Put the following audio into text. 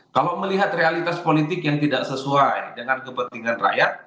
kalau melihat realitas politik yang tidak sesuai dengan kepentingan rakyat